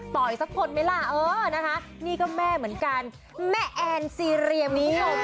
ปล่อยสักคนไหมล่ะนี่ก็แม่เหมือนกันแม่แอนซีเรียม